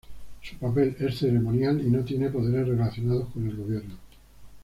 Su papel es ceremonial y no tiene poderes relacionados con el Gobierno.